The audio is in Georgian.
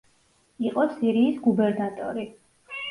იყო სირიის გუბერნატორი.